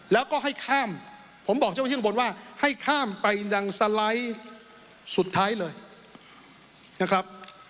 แล้วก็ให้ข้ามผมบอกเจ้าหน้าที่ข้างบนว่าให้ข้ามไปดังสไลด์สุดท้ายเลยนะครับ